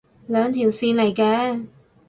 兩條線嚟嘅